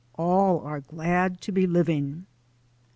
All are glad to be living.